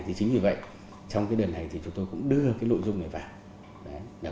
thì chính vì vậy trong cái đợt này thì chúng tôi cũng đưa cái nội dung này vào